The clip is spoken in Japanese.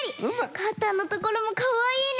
かたのところもかわいいね！